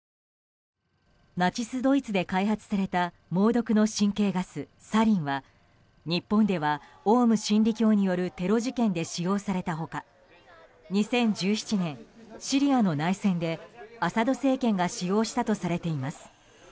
ナチスドイツで開発された猛毒の神経ガス、サリンは日本ではオウム真理教によるテロ事件で使用された他２０１７年、シリアの内戦でアサド政権が使用したとされています。